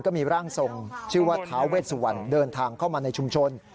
ก็มีร่างทรงชื่อว่าท้าเวชสุวรรณเดินทางเข้ามาในชุมชน